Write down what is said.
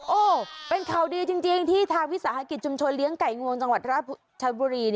โอ้โหเป็นข่าวดีจริงที่ทางวิสาหกิจชุมชนเลี้ยงไก่งวงจังหวัดราชบุรี